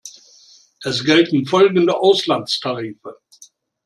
Es gelten folgende Auslandstarife.